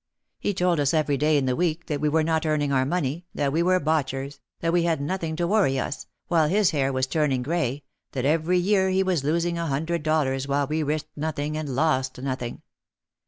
He told us every day in the week that we were not earning our money, that we were botchers, that we had nothing to worry us, while his hair was turning grey, that every year he was losing a hundred dollars while we risked nothing and lost nothing.